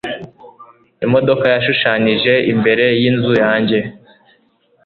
Imodoka yashushanyije imbere yinzu yanjye.